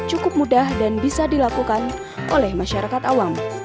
cukup mudah dan bisa dilakukan oleh masyarakat awam